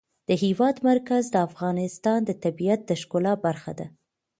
د هېواد مرکز د افغانستان د طبیعت د ښکلا برخه ده.